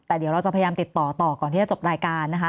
แต่เดี๋ยวเราจะพยายามติดต่อต่อก่อนที่จะจบรายการนะคะ